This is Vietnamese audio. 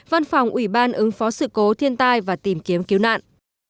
văn phòng ủy ban ứng phó sự cố thiên tai và tìm kiếm cứu nạn